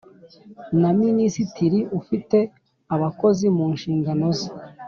na minisitiri ufite abakozi mu nshingano ze.